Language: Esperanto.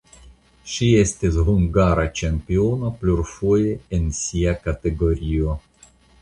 Ŝi estis hungara ĉampiono plurfoje en sia kategorio.